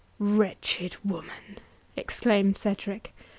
"Wretched woman!" exclaimed Cedric.